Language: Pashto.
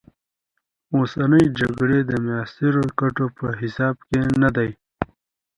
اوسنۍ جګړې د معاصرو ګټو په حساب کې نه دي.